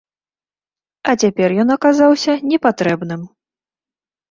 А цяпер ён аказаўся непатрэбным.